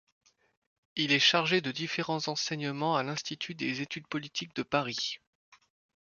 Il est chargé de différents enseignements à l’Institut des études politiques de Paris.